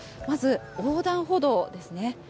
まず、横断歩道ですね。